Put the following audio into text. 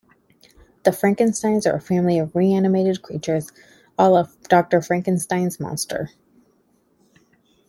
The Frankensteins are a family of reanimated creatures, ala Doctor Frankenstein's monster.